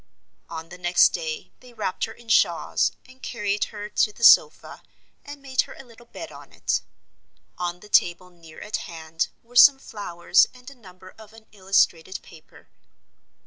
On the next day they wrapped her in shawls, and carried her in to the sofa, and made her a little bed on it. On the table near at hand were some flowers and a number of an illustrated paper.